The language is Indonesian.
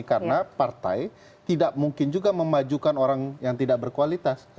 karena partai tidak mungkin juga memajukan orang yang tidak berkualitas